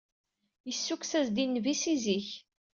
Yessukkes-as-d i nnbi si zik